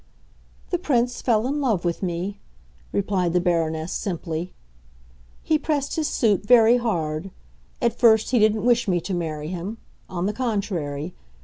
"The Prince fell in love with me," replied the Baroness simply. "He pressed his suit very hard. At first he didn't wish me to marry him; on the contrary.